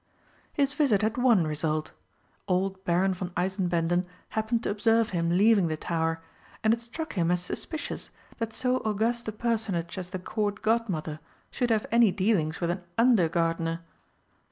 His visit had one result. Old Baron von Eisenbänden happened to observe him leaving the tower, and it struck him as suspicious that so august a personage as the Court Godmother should have any dealings with an under gardener.